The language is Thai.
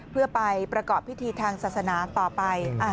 เพื่อไปประกอบพิธีทางศาสนาต่อไป